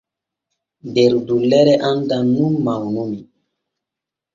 Der dullere annal nun mawnumi.